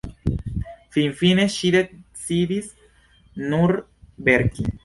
Finfine ŝi decidis nur verki.